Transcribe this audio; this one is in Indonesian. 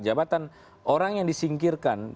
jabatan orang yang disingkirkan